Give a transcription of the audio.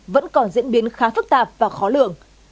vẫn còn diễn biến khá phức tạp và khó lường